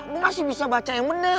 gua masih bisa baca yang bener